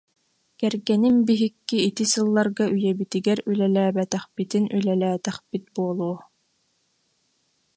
Кэргэним биһикки ити сылларга үйэбитигэр үлэлээбэтэхпитин үлэлээтэхпит буолуо.